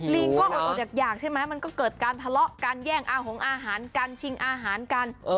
ลิงก็อดอยากใช่ไหมมันก็เกิดการทะเลาะกันแย่งอาหงอาหารกันชิงอาหารกัน